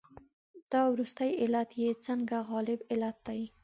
دا وروستی علت یې ځکه غالب علت دی.